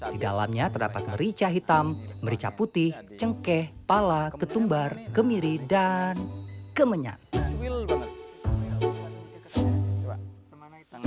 di dalamnya terdapat merica hitam merica putih cengkeh pala ketumbar kemiri dan kemenyat